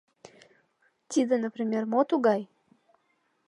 Тиде, например, мо тугай?